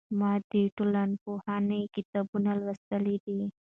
ما د ټولنپوهنې کتاب لوستلی دی.